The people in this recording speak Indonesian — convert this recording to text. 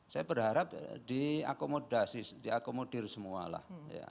saya berharap diakomodasi diakomodir semua lah